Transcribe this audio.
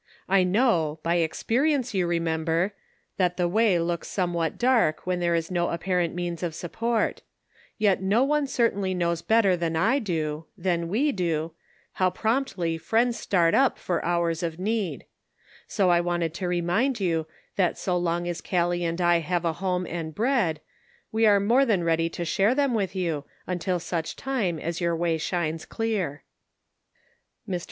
I know, by experience you remember, that the way looks somewhat dark when there is no apparent means of support ; yet no one certainly knows better than I do — than we do — how promptly friends start up for hours of need ; so I wanted to remind you, that so long as Gallic and I have a home and bread, we are more than ready to share them with you, until such time as your way shines clear." Mr.